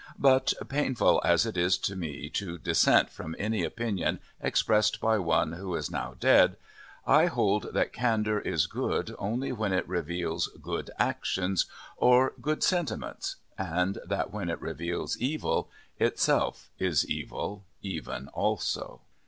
But, painful as it is to me to dissent from any opinion expressed by one who is now dead, I hold that Candour is good only when it reveals good actions or good sentiments, and that when it reveals evil, itself is evil, even also.